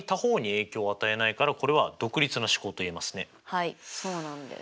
はいそうなんです。